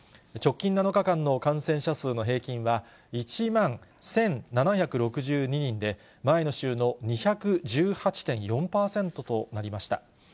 直近７日間の感染者数の平均は、１万１７６２人で、前の週の２１８．４％となりました。